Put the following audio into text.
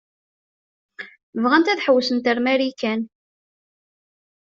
Bɣant ad hewwsent ar Marikan.